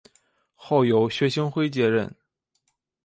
后由薛星辉接任。